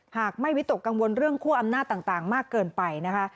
หากไม่วิตกกังวลเรื่องคั่วอำนาจต่างมากเกินไปนะคะ